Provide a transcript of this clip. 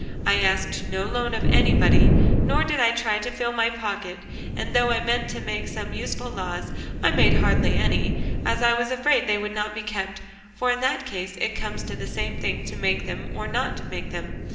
I asked no loan of anybody, nor did I try to fill my pocket; and though I meant to make some useful laws, I made hardly any, as I was afraid they would not be kept; for in that case it comes to the same thing to make them or not to make them.